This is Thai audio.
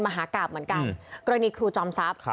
มหากราบเหมือนกันกรณีครูจอมทรัพย์